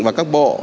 và các bộ